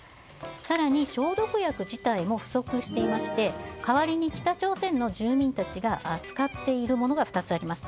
更に消毒薬自体も不足していまして代わりに北朝鮮の住民たちが使っているものが２つあります。